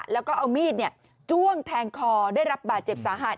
แล้วก็เอามีดจ้วงแทงคอได้รับบาดเจ็บสาหัส